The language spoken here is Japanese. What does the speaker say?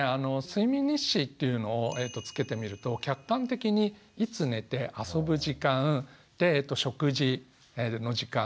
睡眠日誌というのをつけてみると客観的にいつ寝て遊ぶ時間で食事の時間